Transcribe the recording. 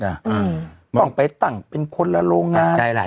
ต่างไปต่างเป็นคนและโรงงาน